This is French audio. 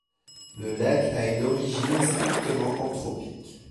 Le lac a une origine strictement anthropique.